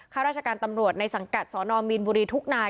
ข้าราชการตำรวจในสังกัดสนมีนบุรีทุกนาย